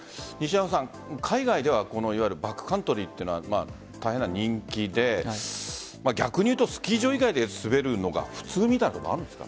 海外ではいわゆるバックカントリーというのは大変な人気で逆にいうと、スキー場以外で滑るのが普通みたいなところがあるんですか？